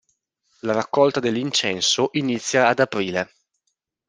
La raccolta dell'incenso inizia ad aprile.